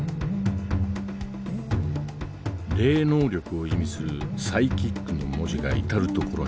霊能力を意味する「ＰＳＹＣＨＩＣ」の文字が至る所に。